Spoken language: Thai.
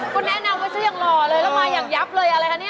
คุณแนะนำมันซื้ออย่างหล่อเลยแล้วมายังยับเลยอะไรคะนี้